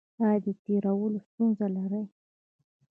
ایا د تیرولو ستونزه لرئ؟